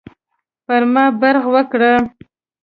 پر ما برغ وکړه.